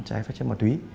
chất cấm má túy